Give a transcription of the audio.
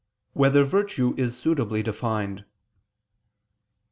4] Whether Virtue Is Suitably Defined?